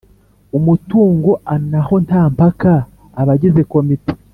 umutungo anaho nta mpaka abagize Komite